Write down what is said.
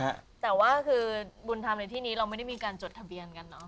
แต่ว่าคือบุญธรรมในที่นี้เราไม่ได้มีการจดทะเบียนกันเนอะ